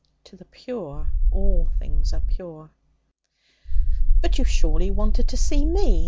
To the pure all things are pure. 'But you surely wanted to see me?